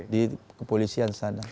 di kepolisian sana